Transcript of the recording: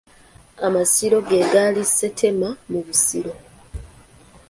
Amasiro ge gali Ssentema mu Busiro.